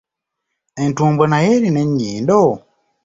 Entumbwe nayo erina ennyindo?